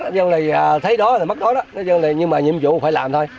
nói chung là thấy đó là mất đó đó nói chung là nhưng mà nhiệm vụ phải làm thôi